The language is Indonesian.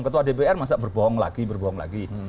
ketua dpr masa berbohong lagi berbohong lagi